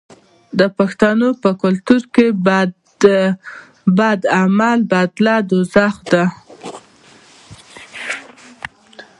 د پښتنو په کلتور کې د بد عمل بدله دوزخ دی.